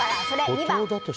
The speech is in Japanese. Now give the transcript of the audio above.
２番。